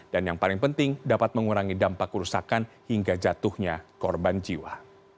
dan yang paling penting dapat mengurangi dampak kerusakan hingga jatuhnya korban jiwa